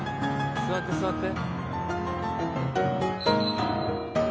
座って座って。